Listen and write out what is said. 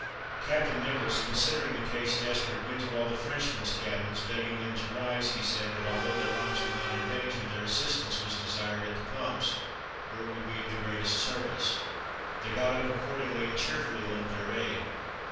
Captain Nicholls, considering the case desperate, went to all the Frenchmen's cabins, begging them to rise; he said, that, although their lives were not in danger, their assistance was desired at the pumps, where it would be of the greatest service. They got up accordingly, and cheerfully lent their aid.